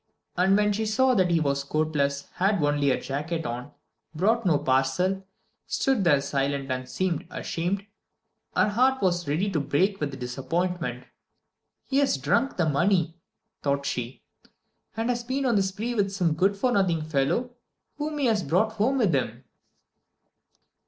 And when she saw that he was coatless, had only her jacket on, brought no parcel, stood there silent, and seemed ashamed, her heart was ready to break with disappointment. "He has drunk the money," thought she, "and has been on the spree with some good for nothing fellow whom he has brought home with him."